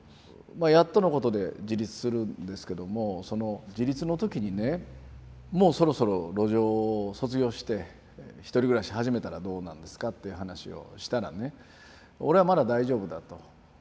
やっとのことで自立するんですけどもその自立の時にねもうそろそろ路上を卒業して一人暮らし始めたらどうなんですか？っていう話をしたらね俺はまだ大丈夫だと。